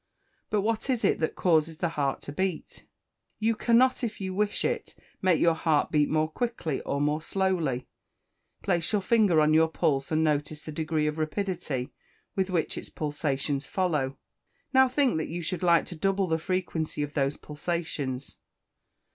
But, what is it that causes the heart to beat? You cannot, if you wish it, make your heart beat more quickly or more slowly. Place your finger upon your pulse, and notice the degree of rapidity with which its pulsations follow. Now think that you should like to double the frequency of those pulsations.